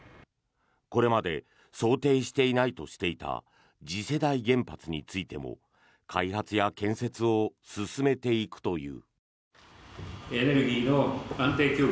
これまで想定していないとしていた次世代原発についても開発や建設を進めていくという。